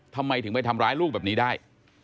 ทำไมถึงไปทำร้ายลูกแบบนี้ได้